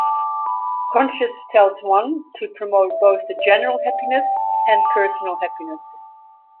Conscience tells one to promote both the general happiness and personal happiness.